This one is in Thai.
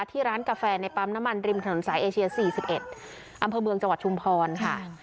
ร้านกาแฟในปั๊มน้ำมันริมถนนสายเอเชีย๔๑อำเภอเมืองจังหวัดชุมพรค่ะ